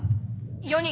４人。